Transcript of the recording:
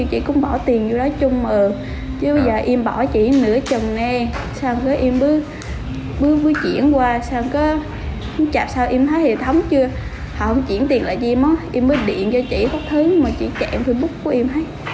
họ không chuyển tiền lại cho em á em mới điện cho chị không thấy mà chị chạy facebook của em